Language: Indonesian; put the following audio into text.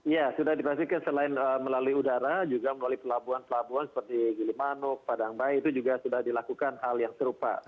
ya sudah dipastikan selain melalui udara juga melalui pelabuhan pelabuhan seperti gilimanuk padangbai itu juga sudah dilakukan hal yang serupa